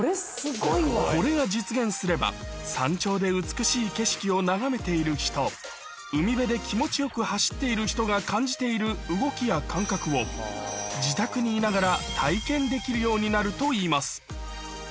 これが実現すれば、山頂で美しい景色を眺めている人、海辺で気持ちよく走っている人が感じている動きや感覚を、自宅にいながら体験できるようになるといいます。